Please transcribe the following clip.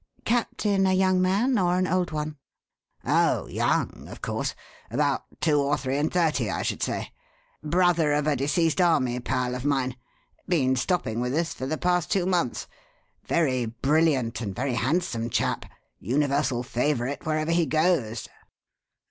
Captain a young man or an old one?" "Oh, young, of course. About two or three and thirty, I should say. Brother of a deceased army pal of mine. Been stopping with us for the past two months. Very brilliant and very handsome chap universal favourite wherever he goes."